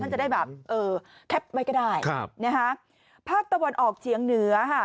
มันจะได้แบบเออแคบไว้ก็ได้ครับนะฮะภาคตะวันออกเฉียงเหนือค่ะ